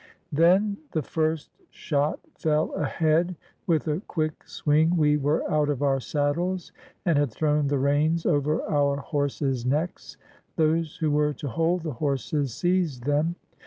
Then the first shot fell ahead. With a quick swing we were out of our saddles and had thrown the reins over our horses' necks. Those who were to hold the horses seized them.